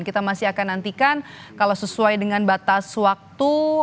kita masih akan nantikan kalau sesuai dengan batas waktu